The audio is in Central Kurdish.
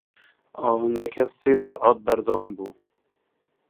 ئاهەنگەکە سێ سەعات بەردەوام بوو.